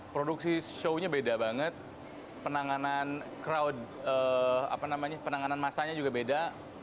produksi show nya beda banget penanganan crowd apa namanya penanganan massanya juga beda